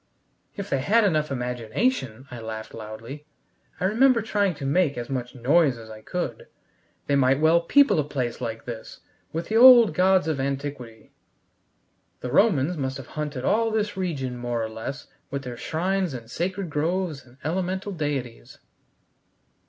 "If they had enough imagination," I laughed loudly I remember trying to make as much noise as I could "they might well people a place like this with the old gods of antiquity. The Romans must have haunted all this region more or less with their shrines and sacred groves and elemental deities."